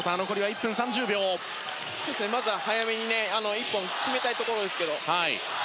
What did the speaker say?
まずは早めに１本決めたいところです。